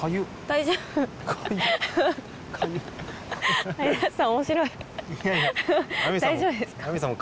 大丈夫ですか？